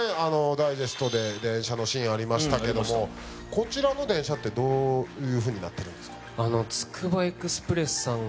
ダイジェストで電車のシーンありましたけどもこちらの電車ってどういうふうになってるんですか？